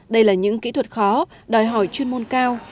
đây là những kỹ thuật khó đòi hỏi chuyên môn cao